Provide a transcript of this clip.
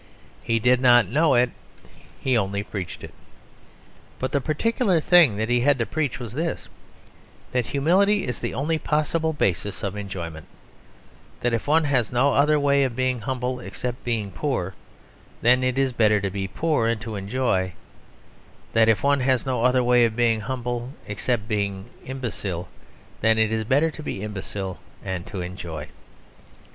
He did not know it; he only preached it. But the particular thing that he had to preach was this: That humility is the only possible basis of enjoyment; that if one has no other way of being humble except being poor, then it is better to be poor, and to enjoy; that if one has no other way of being humble except being imbecile, then it is better to be imbecile, and to enjoy.